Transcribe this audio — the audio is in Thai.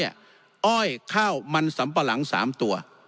อ้อยข้าวมันสำปะหลัง๓ตัว